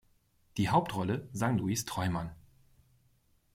Die Hauptrolle sang Louis Treumann.